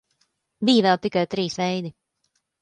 Bija vēl tikai trīs veidi.